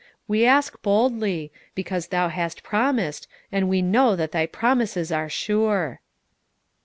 We ask boldly, because Thou hast promised, and we know that Thy promises are sure."